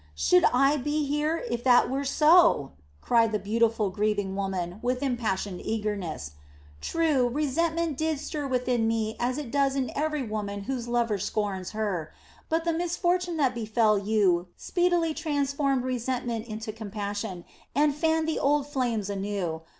"Should I be here, if that were so!" cried the beautiful, grieving woman with impassioned eagerness. "True, resentment did stir within me as it does in every woman whose lover scorns her; but the misfortune that befell you speedily transformed resentment into compassion, and fanned the old flames anew.